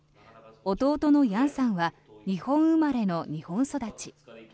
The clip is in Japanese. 弟のヤンさんは日本生まれの日本育ち。